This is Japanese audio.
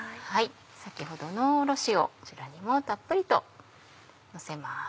先ほどのおろしをこちらにもたっぷりとのせます。